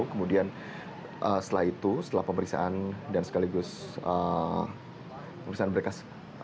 kemudian setelah itu setelah pemeriksaan dan sekaligus pemeriksaan berkas